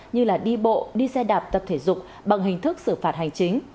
như đi bộ đi xe đạp tập thể dục bằng hình thức xử phạt hành chính